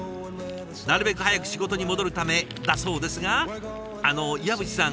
なるべく早く仕事に戻るためだそうですがあの岩渕さん